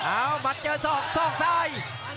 อาวหมัดเจอซอกซ้าย